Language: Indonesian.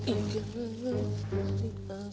ikeru berita suaranya